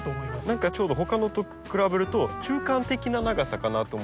何かちょうどほかのと比べると中間的な長さかなと思って。